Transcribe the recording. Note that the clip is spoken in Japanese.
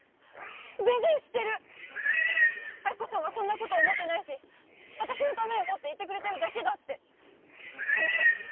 全然知ってる亜希子さんはそんなこと思ってないし私のためを思って言ってくれてるだけだってでもさ